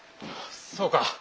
そうか。